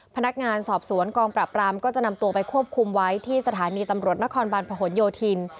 พนักงานสอบสวนกองปราบรามก็จะนำตัวไปควบคุมไว้ที่สถานีตำรวจนครบานพหนโยธิน